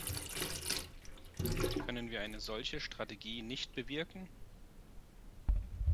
Können wir eine solche Strategie nicht bewirken?